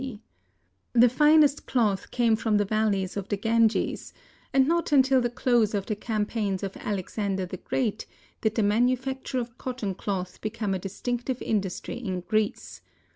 The finest cloth came from the valleys of the Ganges, and not until the close of the campaigns of Alexander the Great did the manufacture of cotton cloth become a distinctive industry in Greece.